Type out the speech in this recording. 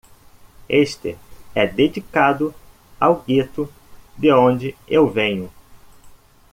Este é dedicado ao gueto de onde eu venho.